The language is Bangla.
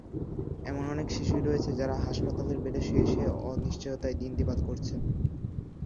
এমন অনেক শিশুই রয়েছে, যারা হাসপাতালের বেডে শুয়ে শুয়ে অনিশ্চয়তায় দিনাতিপাত করছে।